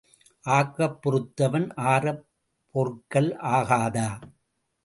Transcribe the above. ஆக்கப் பொறுத்தவன் ஆறப் பொறுக்கல் ஆகாதா?